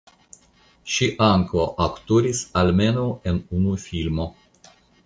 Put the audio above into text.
Ŝi ankaŭ aktoris almenaŭ en unu filmo.